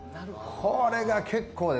これが結構。